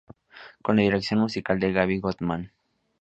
Con la dirección musical de Gaby Goldman.